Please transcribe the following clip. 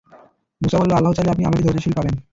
মূসা বলল, আল্লাহ চাইলে আপনি আমাকে ধৈর্যশীল পাবেন।